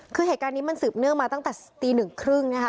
คือเหตุการณ์นี้มันสืบเนื้อมาตั้งแต่ตี๑๓๐นะคะ